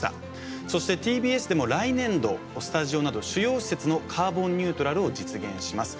そしてＴＢＳでも来年度スタジオなど主要施設のカーボンニュートラルを実現します。